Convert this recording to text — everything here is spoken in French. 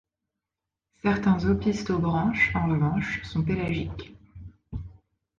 Certains opisthobranches, en revanche, sont pélagiques.